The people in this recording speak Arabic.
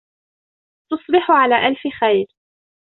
تصبح على ألف خير